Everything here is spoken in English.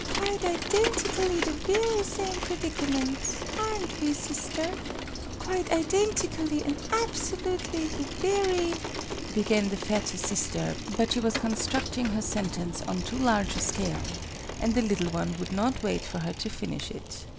Quite identically the very same predicament! Aren't we, sister?" "Quite identically and absolutely the very " began the fatter sister, but she was constructing her sentence on too large a scale, and the little one would not wait for her to finish it.